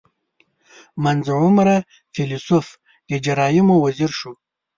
• منځ عمره فېلېسوف د جرایمو وزیر شو.